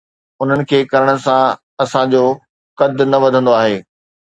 انهن کي ڪرڻ سان اسان جو قد نه وڌندو آهي.